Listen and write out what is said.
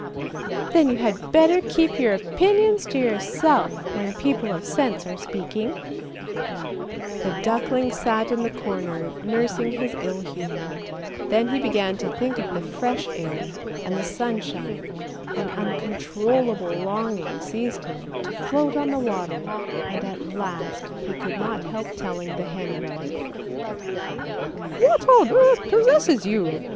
" Then you had better keep your opinions to yourself when people of sense are speaking! " THE UGLY DUCKLING 389 The duckling sat in the corner nursing his ill humour; then he began to think of the fresh air and the sunshine, an uncon trollable longing seized him to float on the water, and at last he could not help telling the hen about it. "What on earth possesses you?